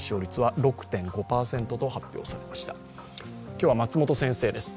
今日は松本先生です。